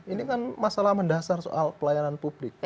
ini kan masalah mendasar soal pelayanan publik